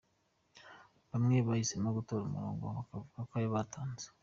Bamwe bahisemo gutora umurongo bakavuga ayo batanze.